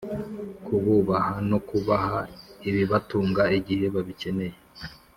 kububaha no kubaha ibibatunga igihe babikeneye